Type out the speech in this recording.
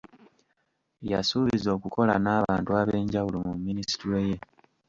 Yasuubiza okukola n’abantu ab’enjawulo mu minisitule ye.